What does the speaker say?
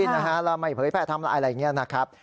แล้วไม่เผยแพร่ทำลายอะไรอย่างนี้นะครับ